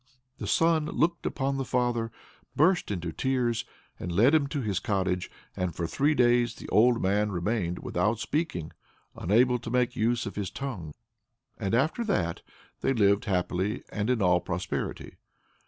The son looked upon the father, burst into tears, and led him to his cottage; and for three days the old man remained without speaking, unable to make use of his tongue. And after that they lived happily and in all prosperity.